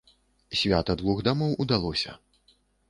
Свята двух дамоў удалося!